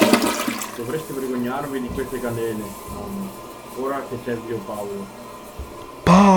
Dovreste vergognarvi di queste candele, nonna, ora che c'è zio Paolo.